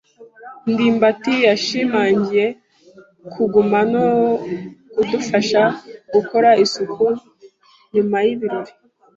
ndimbati yashimangiye kuguma no kudufasha gukora isuku nyuma y’ibirori.